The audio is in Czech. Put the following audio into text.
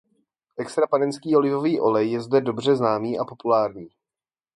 Extra panenský olivový olej je zde dobře známý a populární.